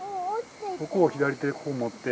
ここを左手でここ持って。